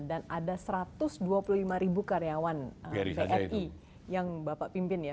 dan ada satu ratus dua puluh lima ribu karyawan bri yang bapak pimpin ya